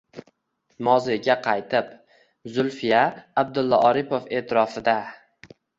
Moziyga qaytib: Zulfiya Abdulla Oripov eʼtirofida